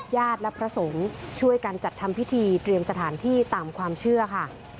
ญาติและพระสงฆ์ช่วยกันจัดทำพิธีเตรียมสถานที่ตามความเชื่อค่ะ